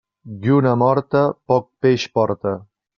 Lluna morta poc peix porta.